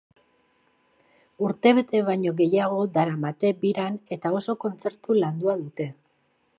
Urtebete baino gehiago daramate biran eta oso kontzertu landua dute.